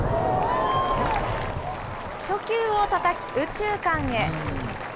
初球をたたき右中間へ。